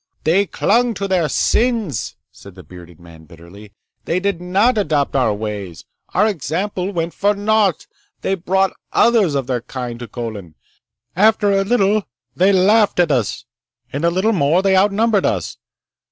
"They clung to their sins!" said the bearded man bitterly. "They did not adopt our ways! Our example went for naught! They brought others of their kind to Colin. After a little they laughed at us. In a little more they outnumbered us!